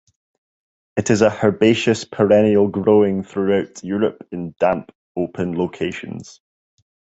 It is a herbaceous perennial growing throughout Europe in damp, open locations.